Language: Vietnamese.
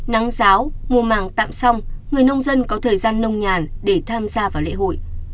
nắng giáo mùa màng tạm xong người nông dân có thời gian nông nhàn để tham gia vào lễ hội